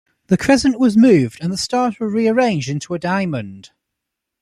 The crescent was moved and the stars were rearranged into a diamond.